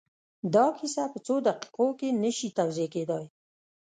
دا کيسه په څو دقيقو کې نه شي توضيح کېدای.